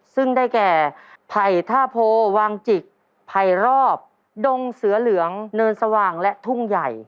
ซึ่งได้แก่ไผ่ท่าโพวางจิกไผ่รอบดงเสือเหลืองเนินสว่างและทุ่งใหญ่